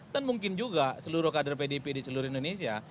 dan mungkin juga seluruh kader pdp di seluruh indonesia